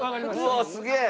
うわあすげえ！